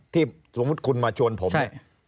สมมุติคุณมาชวนผมเนี่ย